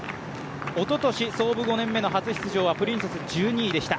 おととし創部５年目の初出場はプリンス１２位でした。